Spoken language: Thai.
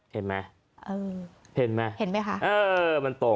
เห็นไหมครับ